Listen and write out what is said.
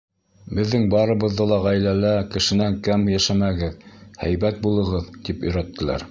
Беҙҙең барыбыҙҙы ла ғаиләлә, кешенән кәм йәшәмәгеҙ, һәйбәт булығыҙ, тип өйрәттеләр.